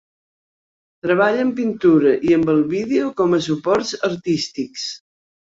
Treballa amb pintura i amb el vídeo com a suports artístics.